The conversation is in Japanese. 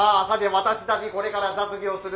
私たちこれから雑技をする。